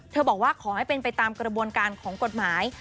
บอกว่าขอให้เป็นไปตามกระบวนการของกฎหมาย